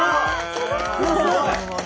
すごい！